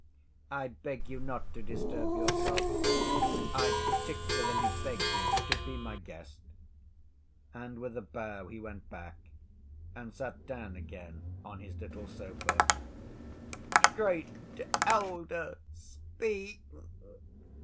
"I beg you not to disturb yourself. I particularly beg you to be my guest." And with a bow he went back and sat down again on his little sofa. "Great elder, speak!